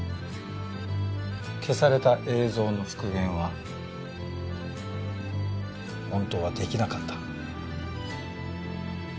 消された映像の復元は本当はできなかった。